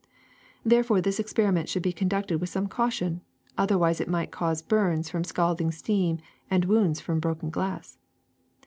^'Therefore this experiment should be conducted with some caution; otherwise it might cause bums from scalding steam and wounds from broken glass.